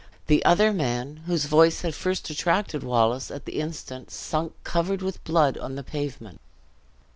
The other man, whose voice had first attracted Wallace, at the instant sunk, covered with blood, on the pavement.